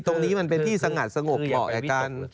ตรงนี้มันเป็นที่สงัดสงบเหมาะกับการ